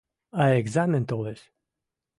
А экзамен толеш